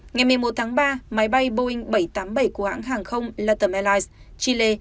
ngày một mươi một tháng ba máy bay boeing bảy trăm tám mươi bảy của hãng hàng không later airlines chile